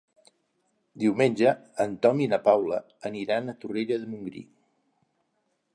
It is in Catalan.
Diumenge en Tom i na Paula aniran a Torroella de Montgrí.